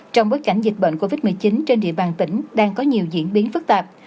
trong bối cảnh dịch bệnh covid một mươi chín trên địa bàn tỉnh đang có nhiều diễn biến phức tạp